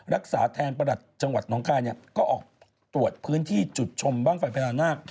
รักษาแทนประหลัดจังหวัดน้องคายก็ออกตรวจพื้นที่จุดชมบ้างไฟพญานาค